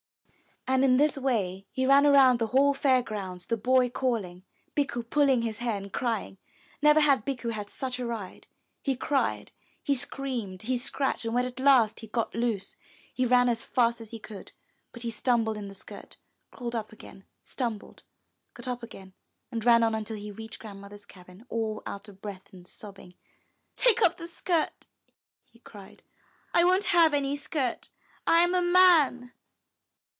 And in this way he ran around the whole Fair grounds, the boy calling, Bikku pulling his hair and crying. Never had Bikku had such a ride. He cried, he screamed, he scratched, and when at last he got loose, he ran as fast as he could, but he stumbled in the skirt, crawled up again, stumbled, got up again, and ran on until he reached Grandmother's cabin all out of breath and sobbing. 'Take off the skirt," he cried. ''I won't have any skirt, I am a man."